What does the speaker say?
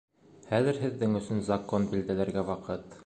Хәҙер һеҙҙең өсөн Закон билдәләргә ваҡыт.